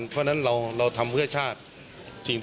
เพราะฉะนั้นเราทำเพื่อชาติ